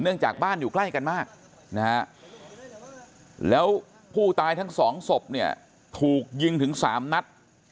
จากบ้านอยู่ใกล้กันมากนะฮะแล้วผู้ตายทั้งสองศพเนี่ยถูกยิงถึง๓นัด